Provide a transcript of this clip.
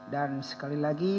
dan sekali lagi